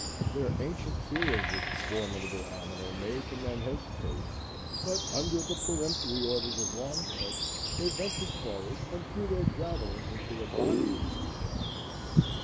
Their ancient fear of this formidable animal made the men hesitate, but under the peremptory orders of Longhead, they ventured forward and threw their javelins into the body of the huge animal.